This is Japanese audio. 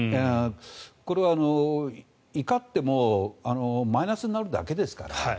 これは、怒ってもマイナスになるだけですから。